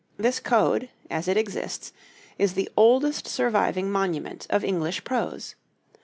This code, as it exists, is the oldest surviving monument of English prose.